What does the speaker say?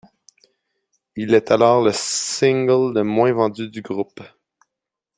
Il est alors le single le moins vendu du groupe.